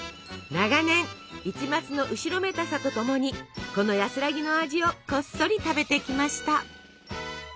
長年一抹の後ろめたさとともにこの安らぎの味をこっそり食べてきました。